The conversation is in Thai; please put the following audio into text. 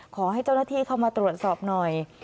ขอให้เจ้าหน้าที่เข้ามาตรวจสอบหน่อย